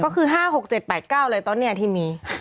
ถูกต้องนะก็คือ๕๖๗๘๙เลยตอนเนี่ยที่มี